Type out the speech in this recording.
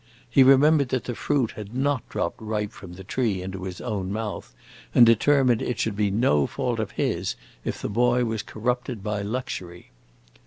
He remembered that the fruit had not dropped ripe from the tree into his own mouth, and determined it should be no fault of his if the boy was corrupted by luxury.